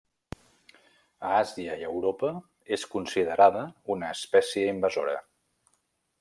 A Àsia i Europa és considerada com una espècie invasora.